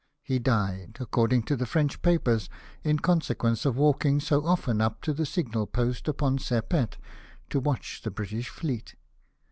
He died, according to the French papers, in consequence of walking so often up to the signal post upon Sepet to watch the British fleet.